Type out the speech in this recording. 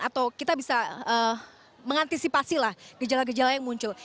atau kita bisa mengantisipasi lah gejala gejala yang muncul